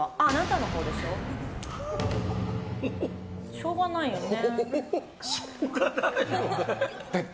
しょうがないよね。